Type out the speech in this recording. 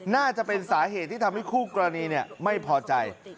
น่าจะเป็นสาเหตุที่ทำให้คู่กรณีไม่พอใจ